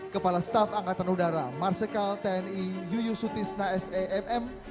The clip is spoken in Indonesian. kepala staff angkatan udara marsikal tni yuyusutisna samm